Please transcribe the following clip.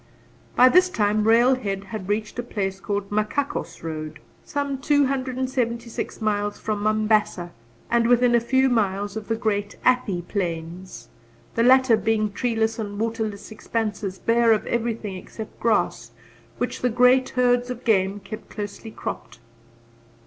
By this time railhead had reached a place called Machakos Road, some two hundred and seventy six miles from Mombasa and within a few miles of the great Athi Plains, the latter being treeless and waterless expanses, bare of everything except grass, which the great herds of game keep closely cropped.